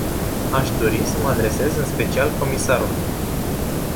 Aș dori să mă adresez în special comisarului.